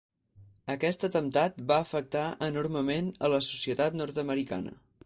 Aquest atemptat va afectar enormement a la societat nord-americana.